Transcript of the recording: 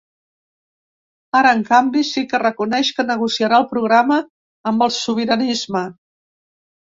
Ara, en canvi, sí que reconeix que negociarà el programa amb el sobiranisme.